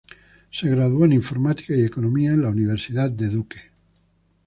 Se graduó en Informática y Economía en la Universidad de Duke.